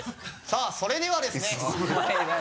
さぁそれではですね。